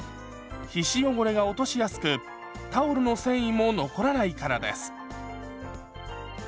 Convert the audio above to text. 皮脂汚れが落としやすくタオルの繊維も残らないからです。